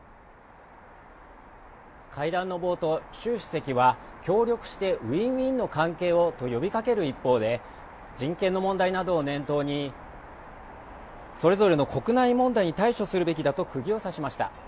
会談の冒頭習主席は協力してウィンウィンの関係をと呼びかける一方で人権の問題などを念頭にそれぞれの国内問題に対処するべきだとくぎを刺しました